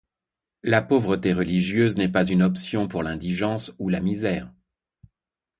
La pauvreté religieuse n’est pas une option pour l’indigence ou la misère.